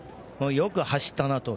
よく走ったなと。